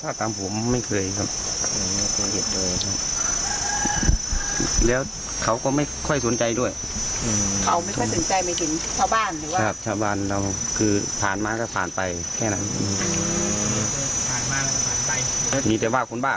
ถ้าตามผมไม่เคยครับ